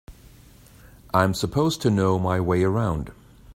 I'm supposed to know my way around.